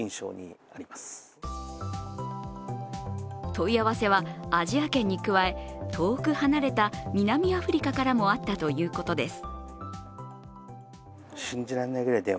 問い合わせはアジア圏に加え、遠く離れた南アフリカからもあったということです。